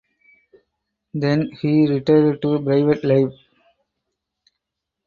Then he retired to private life.